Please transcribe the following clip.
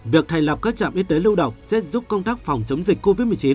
việc thành lập các trạm y tế lâu động sẽ giúp công tác phòng chống dịch covid một mươi chín